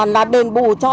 là đền bù cho